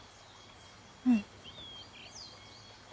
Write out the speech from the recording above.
うん。